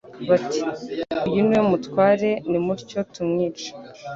bati: «Uyu ni we mutware, nimutyo tumwice,